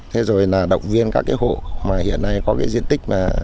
thế rồi là động viên các cái hộ mà hiện nay có cái diện tích mà